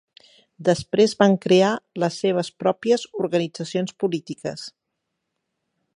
Després van crear les seves pròpies organitzacions polítiques.